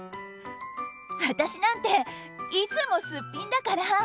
私なんていつもすっぴんだから。